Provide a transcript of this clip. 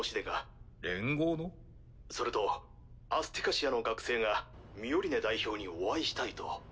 それとアスティカシアの学生がミオリネ代表にお会いしたいと。